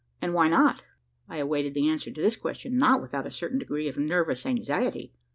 "And why not?" I awaited the answer to this question, not without a certain degree of nervous anxiety.